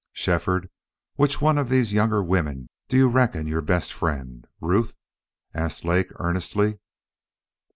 "Shefford, which one of these younger women do you reckon your best friend? Ruth?" asked Lake, earnestly.